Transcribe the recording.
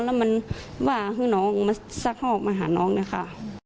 เพราะว่าคือน้องมาสักครอบมาหาน้องนะค่ะ